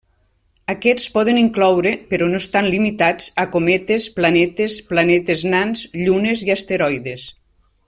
Aquests poden incloure, però no estan limitats a, cometes, planetes, planetes nans, llunes i asteroides.